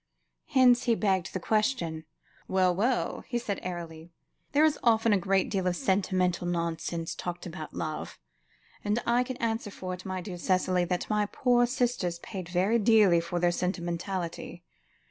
Hence, he begged the question. "Well, well," he said airily; "there is often a great deal of sentimental nonsense talked about love, and I can answer for it, my dear Cicely, that my poor sisters paid very dearly for their sentimentality.